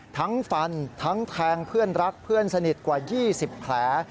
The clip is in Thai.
ทั้งฟันทั้งแทงเพื่อนรักเพื่อนสนิทกว่า๒๐แผล